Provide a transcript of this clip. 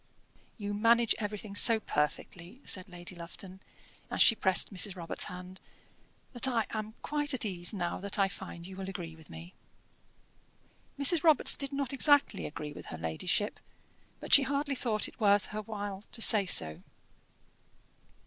"You manage everything so perfectly," said Lady Lufton, as she pressed Mrs. Robarts' hand, "that I am quite at ease now that I find you will agree with me." Mrs. Robarts did not exactly agree with her ladyship, but she hardly thought it worth her while to say so.